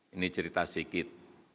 ini cerita sikit